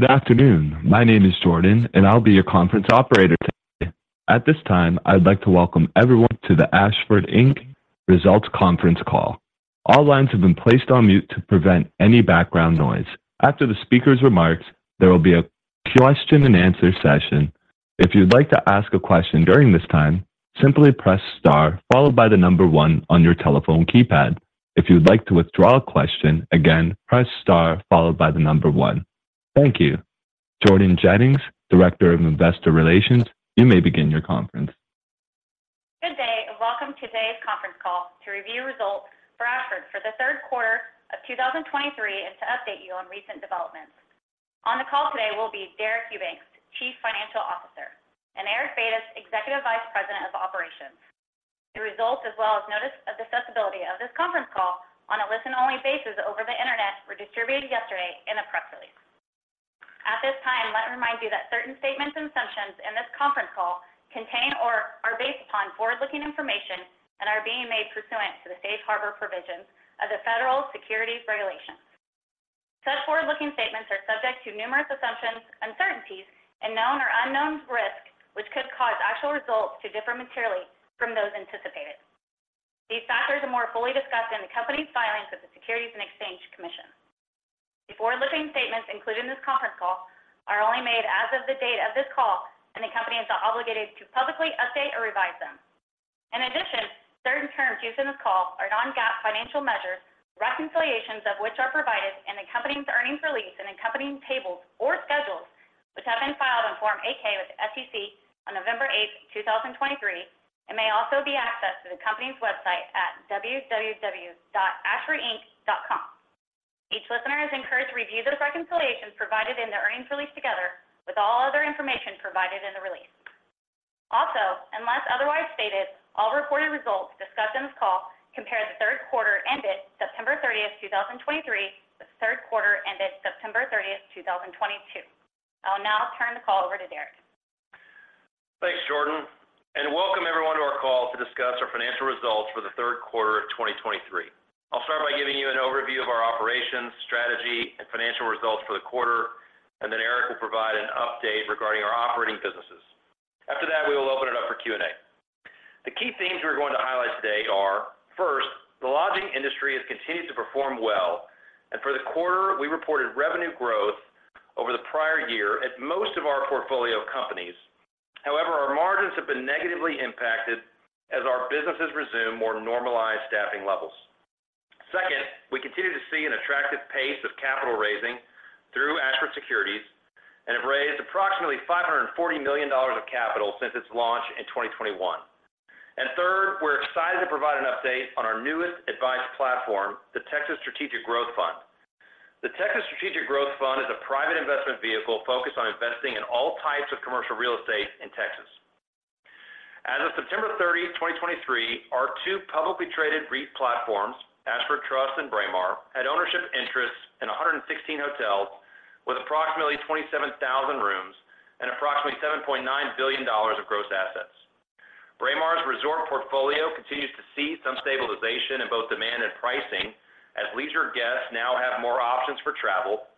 Good afternoon. My name is Jordan, and I'll be your conference operator today. At this time, I'd like to welcome everyone to the Ashford Inc. Results Conference Call. All lines have been placed on mute to prevent any background noise. After the speaker's remarks, there will be a question and answer session. If you'd like to ask a question during this time, simply press star followed by the number one on your telephone keypad. If you'd like to withdraw a question again, press star followed by the number one. Thank you. Jordan Jennings, Director of Investor Relations, you may begin your conference. Good day, and welcome to today's conference call to review results for Ashford for the third quarter of 2023, and to update you on recent developments. On the call today will be Deric Eubanks, Chief Financial Officer, and Eric Batis, Executive Vice President of Operations. The results, as well as notice of accessibility of this conference call on a listen-only basis over the Internet, were distributed yesterday in a press release. At this time, let me remind you that certain statements and assumptions in this conference call contain or are based upon forward-looking information and are being made pursuant to the Safe Harbor Provisions of the Federal Securities Regulations. Such forward-looking statements are subject to numerous assumptions, uncertainties, and known or unknown risks, which could cause actual results to differ materially from those anticipated. These factors are more fully discussed in the company's filings with the Securities and Exchange Commission. The forward-looking statements included in this conference call are only made as of the date of this call, and the company is not obligated to publicly update or revise them. In addition, certain terms used in this call are non-GAAP financial measures, reconciliations of which are provided in the company's earnings release and accompanying tables or schedules, which have been filed on Form 8-K with the SEC on November 8, 2023, and may also be accessed through the company's website at www.ashfordinc.com. Each listener is encouraged to review those reconciliations provided in the earnings release, together with all other information provided in the release. Also, unless otherwise stated, all reported results discussed in this call compare the third quarter ended September 30, 2023, with the third quarter ended September 30, 2022. I'll now turn the call over to Deric. Thanks, Jordan, and welcome everyone to our call to discuss our financial results for the third quarter of 2023. I'll start by giving you an overview of our operations, strategy, and financial results for the quarter, and then Eric will provide an update regarding our operating businesses. After that, we will open it up for Q&A. The key themes we're going to highlight today are, first, the lodging industry has continued to perform well, and for the quarter, we reported revenue growth over the prior year at most of our portfolio companies. However, our margins have been negatively impacted as our businesses resume more normalized staffing levels. Second, we continue to see an attractive pace of capital raising through Ashford Securities and have raised approximately $540 million of capital since its launch in 2021. And third, we're excited to provide an update on our newest advised platform, the Texas Strategic Growth Fund. The Texas Strategic Growth Fund is a private investment vehicle focused on investing in all types of commercial real estate in Texas. As of September 30, 2023, our two publicly traded REIT platforms, Ashford Trust and Braemar, had ownership interests in 116 hotels with approximately 27,000 rooms and approximately $7.9 billion of gross assets. Braemar's resort portfolio continues to see some stabilization in both demand and pricing, as leisure guests now have more options for travel,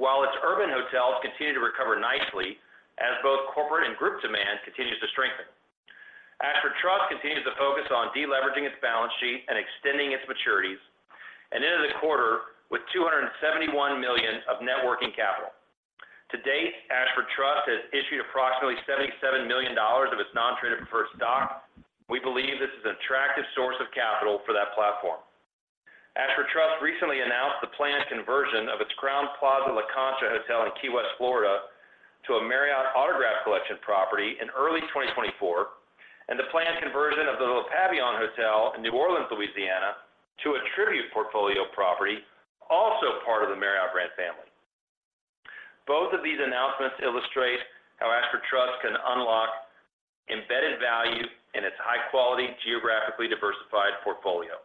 while its urban hotels continue to recover nicely as both corporate and group demand continues to strengthen. Ashford Trust continues to focus on deleveraging its balance sheet and extending its maturities, and ended the quarter with $271 million of net working capital. To date, Ashford Trust has issued approximately $77 million of its non-traded preferred stock. We believe this is an attractive source of capital for that platform. Ashford Trust recently announced the planned conversion of its Crowne Plaza La Concha Hotel in Key West, Florida, to a Marriott Autograph Collection property in early 2024, and the planned conversion of the Le Pavillon Hotel in New Orleans, Louisiana, to a Tribute Portfolio property, also part of the Marriott brand family. Both of these announcements illustrate how Ashford Trust can unlock embedded value in its high-quality, geographically diversified portfolio.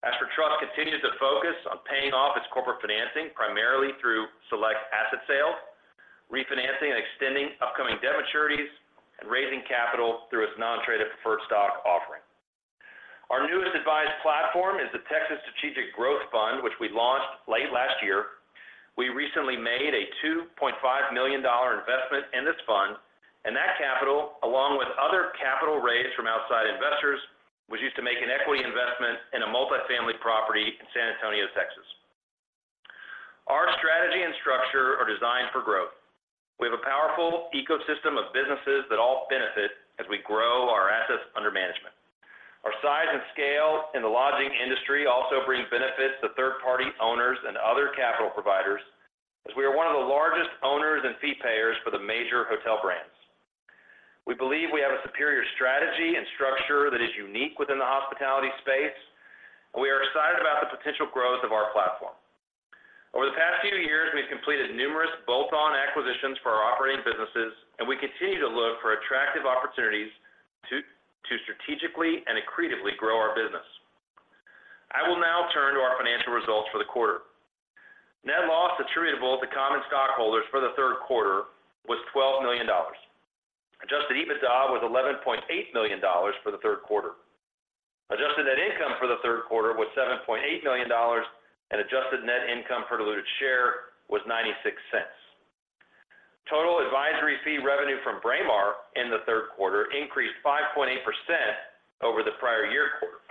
Ashford Trust continues to focus on paying off its corporate financing, primarily through select asset sales, refinancing and extending upcoming debt maturities, and raising capital through its non-traded preferred stock offering. Our newest advised platform is the Texas Strategic Growth Fund, which we launched late last year. We recently made a $2.5 million investment in this fund, and that capital, along with other capital raised from outside investors, was used to make an equity investment in a multifamily property in San Antonio, Texas. Our strategy and structure are designed for growth. We have a powerful ecosystem of businesses that all benefit as we grow our assets under management. Our size and scale in the lodging industry also bring benefits to third-party owners and other capital providers, as we are one of the largest owners and fee payers for the major hotel brands. We believe we have a superior strategy and structure that is unique within the hospitality space, and we are excited about the potential growth of our platform. Over the past few years, we've completed numerous bolt-on acquisitions for our operating businesses, and we continue to look for attractive opportunities to strategically and accretively grow our business. I will now turn to our financial results for the quarter. Net loss attributable to common stockholders for the third quarter was $12 million. Adjusted EBITDA was $11.8 million for the third quarter. Adjusted net income for the third quarter was $7.8 million, and adjusted net income per diluted share was $0.96. Total advisory fee revenue from Braemar in the third quarter increased 5.8% over the prior year quarter.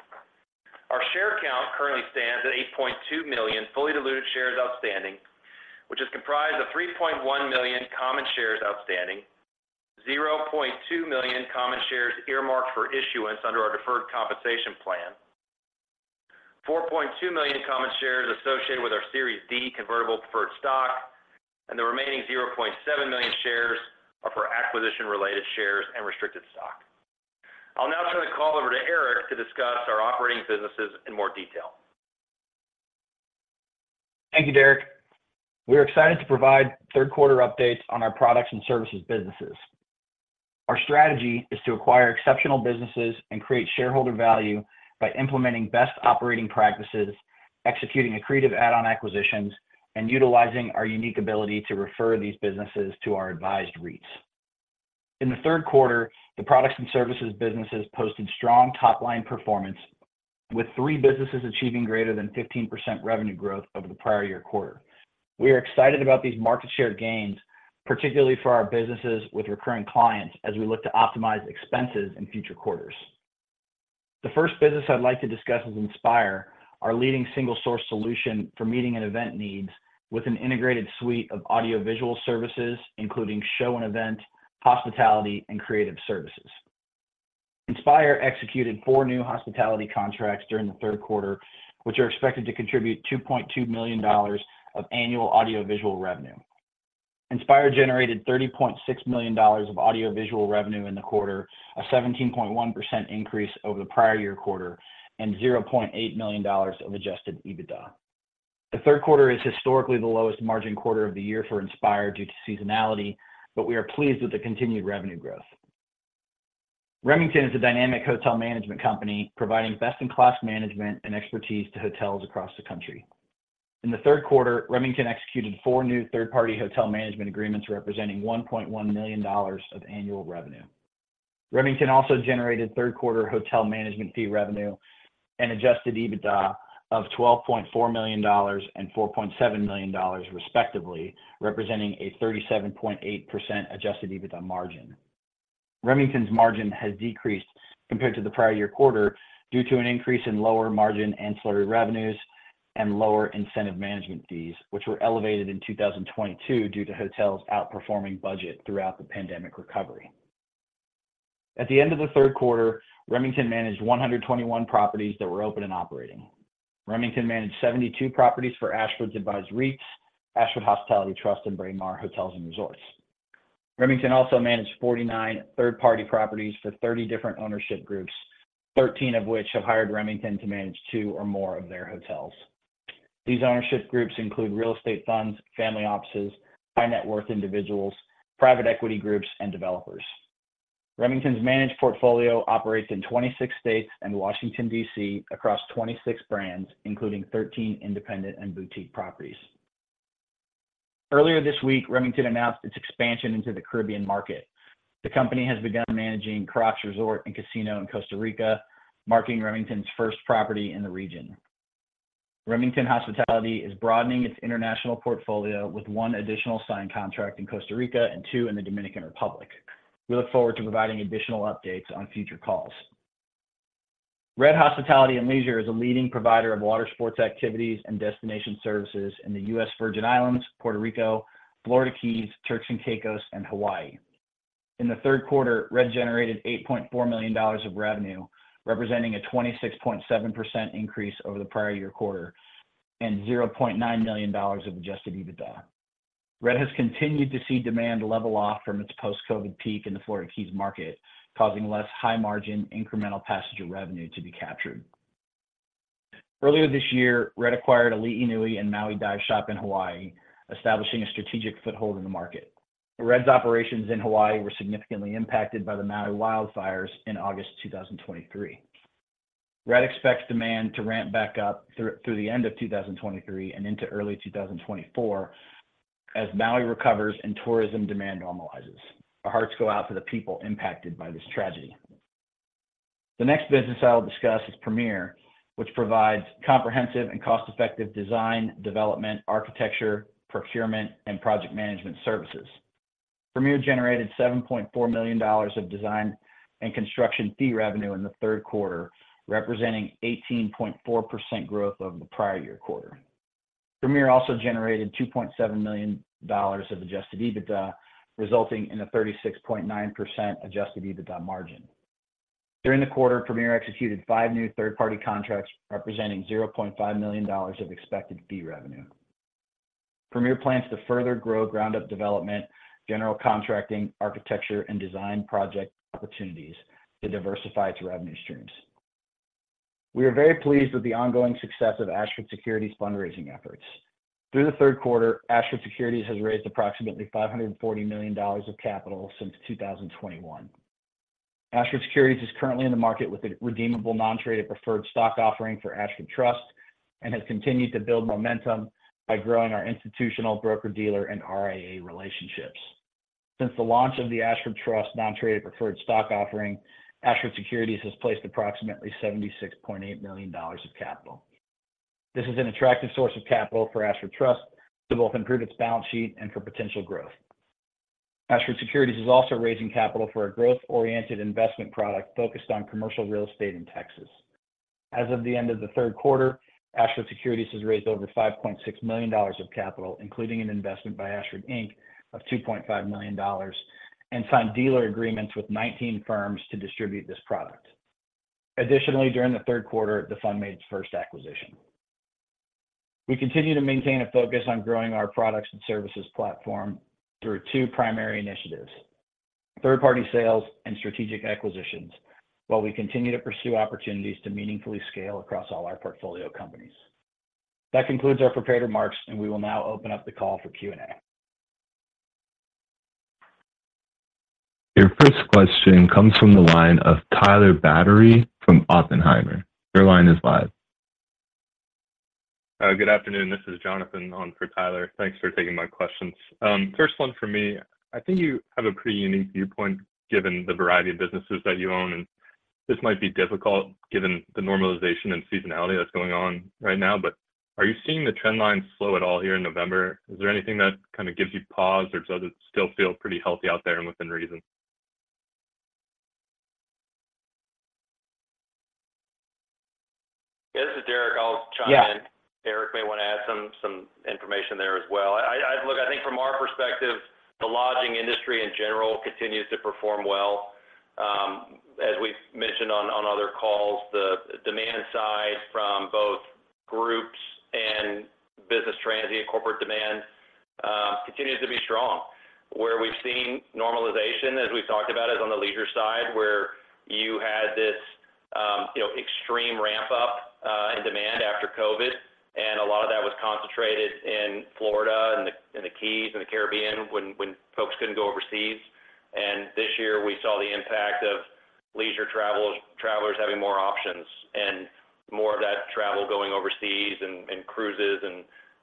Our share count currently stands at 8.2 million fully diluted shares outstanding, which is comprised of 3.1 million common shares outstanding, 0.2 million common shares earmarked for issuance under our deferred compensation plan, 4.2 million common shares associated with our Series D Convertible Preferred Stock, and the remaining 0.7 million shares are for acquisition-related shares and restricted stock. I'll now turn the call over to Eric to discuss our operating businesses in more detail. Thank you, Deric. We are excited to provide third quarter updates on our products and services businesses. Our strategy is to acquire exceptional businesses and create shareholder value by implementing best operating practices, executing accretive add-on acquisitions, and utilizing our unique ability to refer these businesses to our advised REITs. In the third quarter, the products and services businesses posted strong top-line performance, with three businesses achieving greater than 15% revenue growth over the prior year quarter. We are excited about these market share gains, particularly for our businesses with recurring clients, as we look to optimize expenses in future quarters. The first business I'd like to discuss is Inspire, our leading single-source solution for meeting and event needs with an integrated suite of audiovisual services, including show and event, hospitality, and creative services. Inspire executed four new hospitality contracts during the third quarter, which are expected to contribute $2.2 million of annual audiovisual revenue. Inspire generated $30.6 million of audiovisual revenue in the quarter, a 17.1% increase over the prior year quarter, and $0.8 million of Adjusted EBITDA. The third quarter is historically the lowest margin quarter of the year for Inspire due to seasonality, but we are pleased with the continued revenue growth. Remington is a dynamic hotel management company, providing best-in-class management and expertise to hotels across the country. In the third quarter, Remington executed four new third-party hotel management agreements, representing $1.1 million of annual revenue. Remington also generated third-quarter hotel management fee revenue and adjusted EBITDA of $12.4 million and $4.7 million, respectively, representing a 37.8% adjusted EBITDA margin. Remington's margin has decreased compared to the prior year quarter due to an increase in lower margin ancillary revenues and lower incentive management fees, which were elevated in 2022 due to hotels outperforming budget throughout the pandemic recovery. At the end of the third quarter, Remington managed 121 properties that were open and operating. Remington managed 72 properties for Ashford's advised REITs, Ashford Hospitality Trust, and Braemar Hotels and Resorts. Remington also managed 49 third-party properties for 30 different ownership groups, 13 of which have hired Remington to manage two or more of their hotels. These ownership groups include real estate funds, family offices, high-net-worth individuals, private equity groups, and developers. Remington's managed portfolio operates in 26 states and Washington, D.C., across 26 brands, including 13 independent and boutique properties. Earlier this week, Remington announced its expansion into the Caribbean market. The company has begun managing Croc's Resort and Casino in Costa Rica, marking Remington's first property in the region. Remington Hospitality is broadening its international portfolio with one additional signed contract in Costa Rica and two in the Dominican Republic. We look forward to providing additional updates on future calls. RED Hospitality and Leisure is a leading provider of water sports activities and destination services in the U.S. Virgin Islands, Puerto Rico, Florida Keys, Turks and Caicos, and Hawaii. In the third quarter, RED generated $8.4 million of revenue, representing a 26.7% increase over the prior year quarter, and $0.9 million of Adjusted EBITDA. RED has continued to see demand level off from its post-COVID peak in the Florida Keys market, causing less high-margin incremental passenger revenue to be captured. Earlier this year, RED acquired Ali'i Nui and Maui Dive Shop in Hawaii, establishing a strategic foothold in the market. RED's operations in Hawaii were significantly impacted by the Maui wildfires in August 2023. RED expects demand to ramp back up through the end of 2023 and into early 2024 as Maui recovers and tourism demand normalizes. Our hearts go out to the people impacted by this tragedy. The next business I will discuss is Premier, which provides comprehensive and cost-effective design, development, architecture, procurement, and project management services. Premier generated $7.4 million of design and construction fee revenue in the third quarter, representing 18.4% growth over the prior year quarter. Premier also generated $2.7 million of Adjusted EBITDA, resulting in a 36.9% Adjusted EBITDA margin. During the quarter, Premier executed five new third-party contracts, representing $0.5 million of expected fee revenue. Premier plans to further grow ground-up development, general contracting, architecture, and design project opportunities to diversify its revenue streams. We are very pleased with the ongoing success of Ashford Securities' fundraising efforts. Through the third quarter, Ashford Securities has raised approximately $540 million of capital since 2021. Ashford Securities is currently in the market with a redeemable non-traded preferred stock offering for Ashford Trust, and has continued to build momentum by growing our institutional broker-dealer and RIA relationships. Since the launch of the Ashford Trust non-traded preferred stock offering, Ashford Securities has placed approximately $76.8 million of capital. This is an attractive source of capital for Ashford Trust to both improve its balance sheet and for potential growth. Ashford Securities is also raising capital for a growth-oriented investment product focused on commercial real estate in Texas. As of the end of the third quarter, Ashford Securities has raised over $5.6 million of capital, including an investment by Ashford Inc. of $2.5 million, and signed dealer agreements with 19 firms to distribute this product. Additionally, during the third quarter, the fund made its first acquisition. We continue to maintain a focus on growing our products and services platform through two primary initiatives: third-party sales and strategic acquisitions, while we continue to pursue opportunities to meaningfully scale across all our portfolio companies. That concludes our prepared remarks, and we will now open up the call for Q&A. Your first question comes from the line of Tyler Batory from Oppenheimer. Your line is live. Good afternoon. This is Jonathan on for Tyler. Thanks for taking my questions. First one for me, I think you have a pretty unique viewpoint, given the variety of businesses that you own, and this might be difficult, given the normalization and seasonality that's going on right now, but are you seeing the trend line slow at all here in November? Is there anything that kind of gives you pause, or does it still feel pretty healthy out there and within reason? This is Deric. I'll chime in. Yeah. Eric may want to add some information there as well. I... Look, I think from our perspective, the lodging industry in general continues to perform well. As we've mentioned on other calls, the demand side from both groups and business transient corporate demand continues to be strong. Where we've seen normalization, as we've talked about, is on the leisure side, where you had this, you know, extreme ramp up in demand after COVID, and a lot of that was concentrated in Florida and the Keys and the Caribbean, when folks couldn't go overseas. This year, we saw the impact of leisure travelers having more options, and more of that travel going overseas and cruises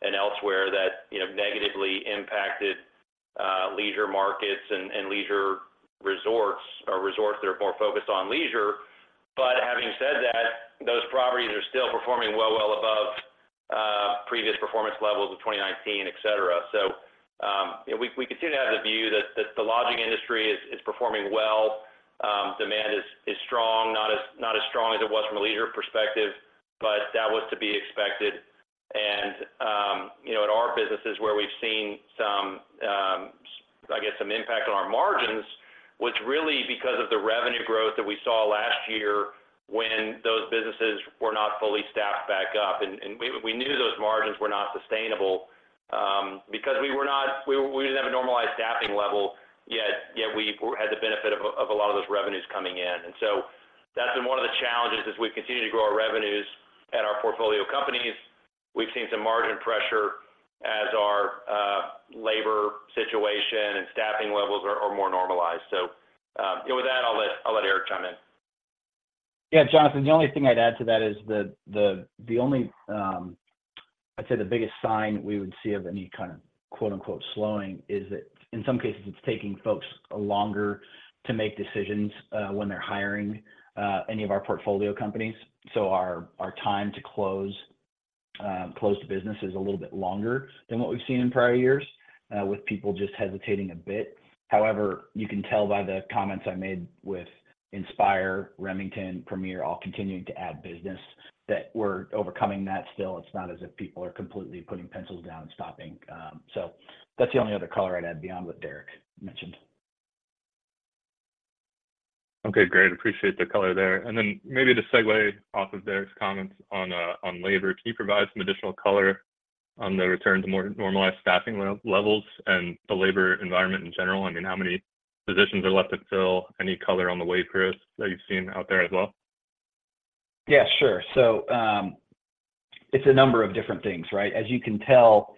and elsewhere that, you know, negatively impacted leisure markets and leisure resorts or resorts that are more focused on leisure. But having said that, those properties are still performing well, well above previous performance levels of 2019, et cetera. So, you know, we continue to have the view that the lodging industry is performing well. Demand is strong, not as strong as it was from a leisure perspective, but that was to be expected. And, you know, in our businesses, where we've seen some I guess impact on our margins, was really because of the revenue growth that we saw last year when those businesses were not fully staffed back up. And we knew those margins were not sustainable, because we didn't have a normalized staffing level yet, yet we had the benefit of a lot of those revenues coming in. That's been one of the challenges as we've continued to grow our revenues at our portfolio companies. We've seen some margin pressure as our labor situation and staffing levels are more normalized. With that, I'll let Eric chime in. Yeah, Jonathan, the only thing I'd add to that is I'd say the biggest sign we would see of any kind of quote-unquote, "slowing," is that in some cases, it's taking folks longer to make decisions when they're hiring any of our portfolio companies. So our time to close business is a little bit longer than what we've seen in prior years, with people just hesitating a bit. However, you can tell by the comments I made with Inspire, Remington, Premier, all continuing to add business, that we're overcoming that still. It's not as if people are completely putting pencils down and stopping. So that's the only other color I'd add beyond what Deric mentioned. Okay, great. Appreciate the color there. And then maybe to segue off of Deric's comments on labor, can you provide some additional color on the return to more normalized staffing levels and the labor environment in general? I mean, how many positions are left to fill? Any color on the wages, Eric, that you've seen out there as well? Yeah, sure. So, it's a number of different things, right? As you can tell,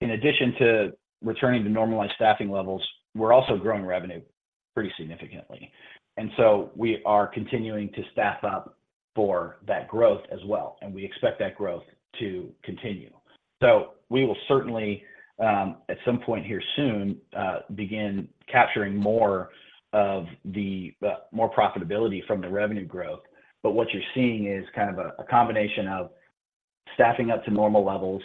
in addition to returning to normalized staffing levels, we're also growing revenue pretty significantly, and so we are continuing to staff up for that growth as well, and we expect that growth to continue. So we will certainly, at some point here soon, begin capturing more of the more profitability from the revenue growth. But what you're seeing is kind of a combination of staffing up to normal levels.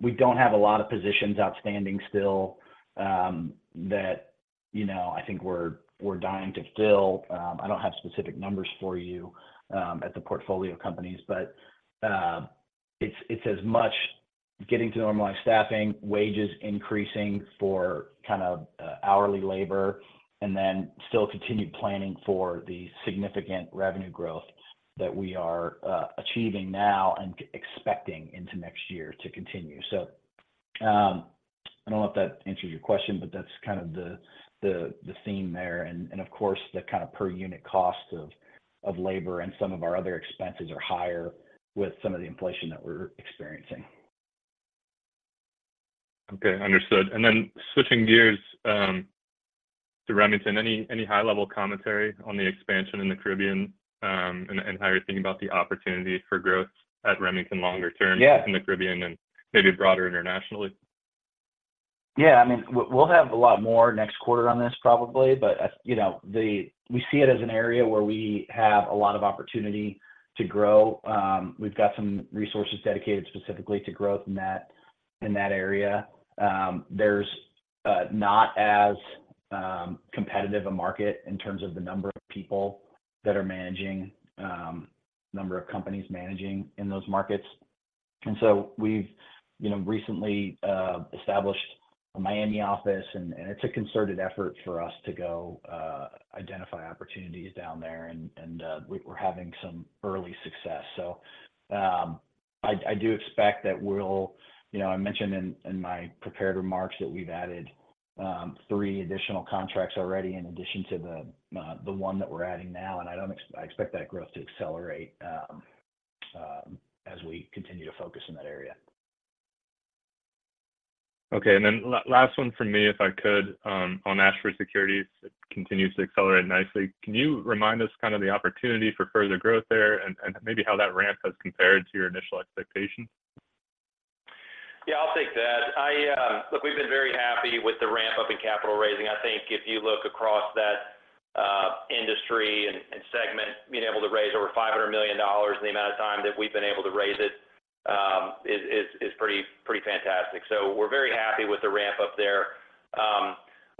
We don't have a lot of positions outstanding still, that, you know, I think we're, we're dying to fill. I don't have specific numbers for you at the portfolio companies, but it's as much getting to normalized staffing, wages increasing for kind of hourly labor, and then still continued planning for the significant revenue growth that we are achieving now and expecting into next year to continue. So, I don't know if that answers your question, but that's kind of the theme there. And of course, the kind of per-unit cost of labor and some of our other expenses are higher with some of the inflation that we're experiencing. ... Okay, understood. And then switching gears to Remington, any high-level commentary on the expansion in the Caribbean, and how you're thinking about the opportunity for growth at Remington longer term? Yeah in the Caribbean and maybe broader internationally? Yeah. I mean, we'll have a lot more next quarter on this probably, but you know, we see it as an area where we have a lot of opportunity to grow. We've got some resources dedicated specifically to growth in that area. There's not as competitive a market in terms of the number of people that are managing, number of companies managing in those markets. And so we've, you know, recently established a Miami office, and we're having some early success. So, I do expect that we'll. You know, I mentioned in my prepared remarks that we've added three additional contracts already in addition to the one that we're adding now, and I expect that growth to accelerate as we continue to focus in that area. Okay. And then last one from me, if I could, on Ashford Securities. It continues to accelerate nicely. Can you remind us kind of the opportunity for further growth there and maybe how that ramp has compared to your initial expectations? Yeah, I'll take that. I. Look, we've been very happy with the ramp-up in capital raising. I think if you look across that industry and segment, being able to raise over $500 million in the amount of time that we've been able to raise it is pretty fantastic. So we're very happy with the ramp-up there.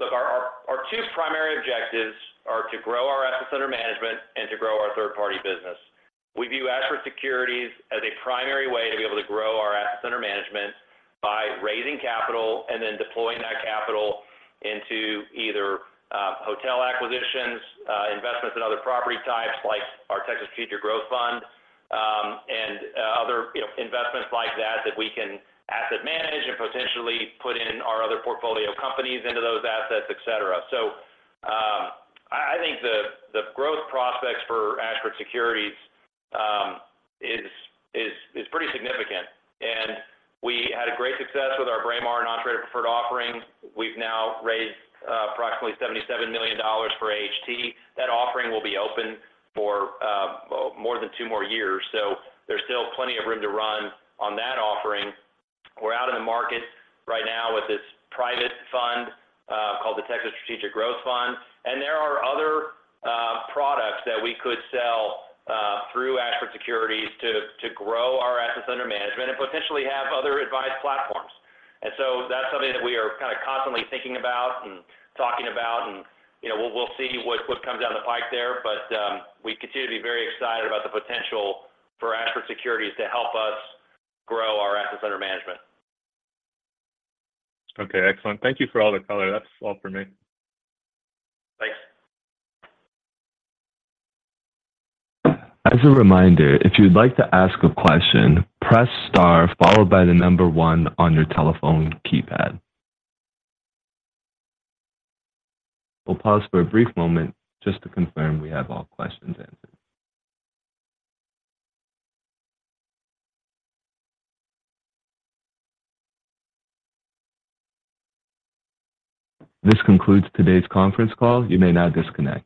Look, our two primary objectives are to grow our asset under management and to grow our third-party business. We view Ashford Securities as a primary way to be able to grow our asset under management by raising capital and then deploying that capital into either, hotel acquisitions, investments in other property types, like our Texas Strategic Growth Fund, and, other, you know, investments like that, that we can asset manage and potentially put in our other portfolio companies into those assets, et cetera. So, I think the growth prospects for Ashford Securities is pretty significant. And we had a great success with our Braemar and non-traded preferred offerings. We've now raised approximately $77 million for AHT. That offering will be open for, well, more than two more years, so there's still plenty of room to run on that offering. We're out in the market right now with this private fund, called the Texas Strategic Growth Fund, and there are other, products that we could sell, through Ashford Securities to, to grow our assets under management and potentially have other advised platforms. And so that's something that we are kinda constantly thinking about and talking about, and, you know, we'll, we'll see what, what comes down the pike there. But, we continue to be very excited about the potential for Ashford Securities to help us grow our assets under management. Okay, excellent. Thank you for all the color. That's all for me. Thanks. As a reminder, if you'd like to ask a question, press star followed by one on your telephone keypad. We'll pause for a brief moment just to confirm we have all questions answered. This concludes today's conference call. You may now disconnect.